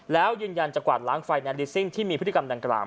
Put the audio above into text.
แล้วยืนยันจะกวาดล้างไฟแนนลิซิ่งที่มีพฤติกรรมดังกล่าว